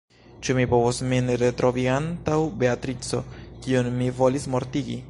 Ĉu mi povos min retrovi antaŭ Beatrico, kiun mi volis mortigi?